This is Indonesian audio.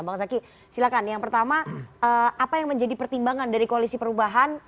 bang zaky silakan yang pertama apa yang menjadi pertimbangan dari koalisi perubahan